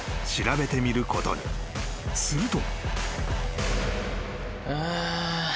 ［すると］